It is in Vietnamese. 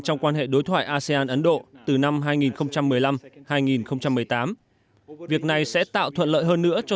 trong quan hệ đối thoại asean ấn độ từ năm hai nghìn một mươi năm hai nghìn một mươi tám việc này sẽ tạo thuận lợi hơn nữa cho